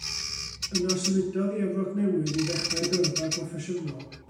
Yna symudodd i Efrog Newydd i ddechrau ei gyrfa broffesiynol.